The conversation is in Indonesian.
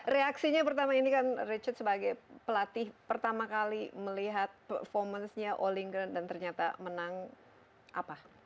reaksinya pertama ini kan richard sebagai pelatih pertama kali melihat performance nya ollinger dan ternyata menang apa